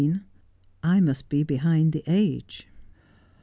'i MUST BE BEHIND THE AGE.'